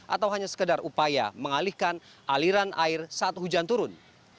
atau hanya sekedar upaya mengalihkan aliran air saat hujan turun